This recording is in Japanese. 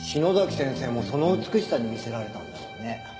先生もその美しさに魅せられたんだろうね。